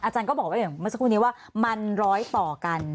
ก็บอกว่าอย่างเมื่อสักครู่นี้ว่ามันร้อยต่อกัน